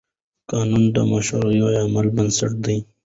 قانون د مشروع عمل بنسټ دی.